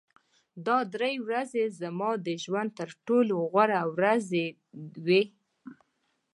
دا درې ورځې زما د ژوند تر ټولو غوره ورځې وې